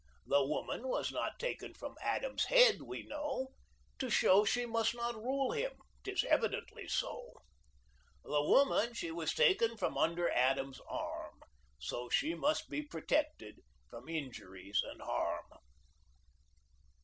The woman was not taken From Adam's head, we know, To show she must not rule him — 'Tis evidently so. The woman she was taken From under Adam's arm. So she must be protected From injuries and harm."